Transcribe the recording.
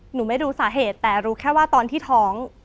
ไม่รู้สาเหตุแต่รู้แค่ว่าตอนที่ท้อง